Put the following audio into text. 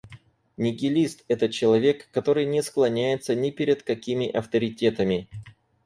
Нигилист - это человек, который не склоняется ни перед какими авторитетами